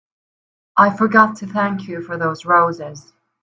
I forgot to thank you for those roses.